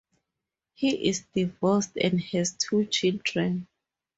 He is divorced and has two children.